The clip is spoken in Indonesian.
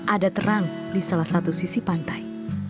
ada terang di salah satu sisi pantai